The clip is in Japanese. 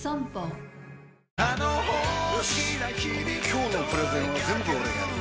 今日のプレゼンは全部俺がやる！